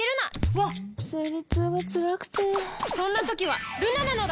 わっ生理痛がつらくてそんな時はルナなのだ！